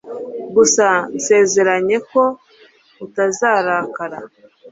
gusa nsezeranya ko utazarakara